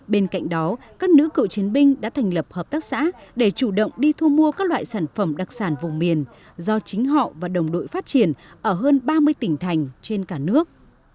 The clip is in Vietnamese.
bên cạnh đó các nữ cựu chiến binh đã thành lập hợp tác xã để chủ động đi thu mua các loại sản phẩm đặc sản vùng miền do chính họ và đồng đội phát triển ở hơn ba mươi tỉnh thành trên cả nước